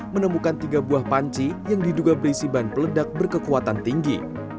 menemukan tiga buah panci yang diduga berisi bahan peledak berkekuatan tinggi